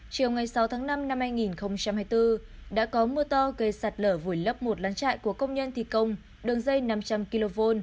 chiều ngày sáu tháng năm năm hai nghìn hai mươi bốn đã có mưa to gây sạt lở vùi lấp một lán trại của công nhân thi công đường dây năm trăm linh kv